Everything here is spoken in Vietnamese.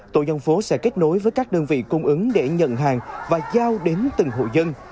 tổ dân phố sẽ kết nối với các đơn vị cung ứng để nhận hàng và giao đến từng hộ dân